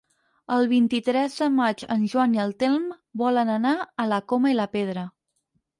El vint-i-tres de maig en Joan i en Telm volen anar a la Coma i la Pedra.